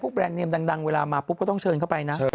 แรนดเนมดังเวลามาปุ๊บก็ต้องเชิญเข้าไปนะ